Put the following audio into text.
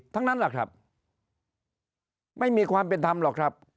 ทั้งนั้นแหละครับไม่มีความเป็นธรรมหรอกครับ